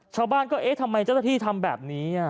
ชาวบ้านก็เอ๊ะทำไมเจ้าหน้าที่ทำแบบนี้